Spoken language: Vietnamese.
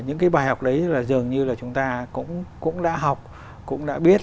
những bài học đấy dường như chúng ta cũng đã học cũng đã biết